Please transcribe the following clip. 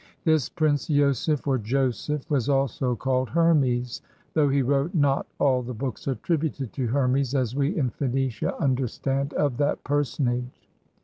This Prince losepf or Joseph was also called Hermes, though he wrote not all the books attributed to Hermes, as we in Phoenicia imder stand of that personage.